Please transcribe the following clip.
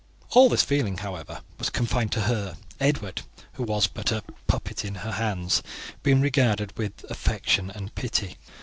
"All this feeling, however, was confined to her, Edward, who was but a puppet in her hands, being regarded with affection and pity.